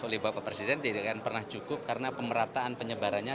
oleh bapak presiden tidak akan pernah cukup karena pemerataan penyebarannya